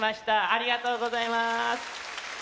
ありがとうございます。